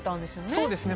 そうですね。